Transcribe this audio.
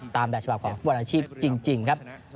ตามแบตฉบับของบริษัทจริงครับ